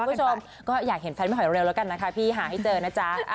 คุณผู้ชมก็อยากเห็นแฟนพี่หอยเร็วแล้วกันนะคะพี่หาให้เจอนะจ๊ะ